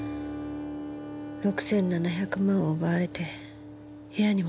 ６７００万を奪われて部屋に戻ったら。